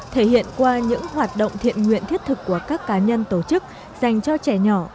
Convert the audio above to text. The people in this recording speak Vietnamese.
thể hiện qua những hoạt động thiện nguyện thiết thực của các cá nhân tổ chức dành cho trẻ nhỏ